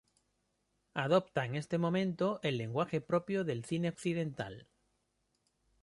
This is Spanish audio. Adopta en este momento el lenguaje propio del cine occidental.